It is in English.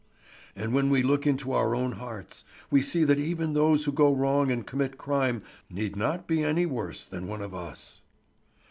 "And when we look into our own hearts, we see that even those who go wrong and commit crime need not be any worse than one of us."